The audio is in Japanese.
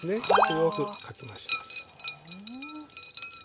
よくかき回します。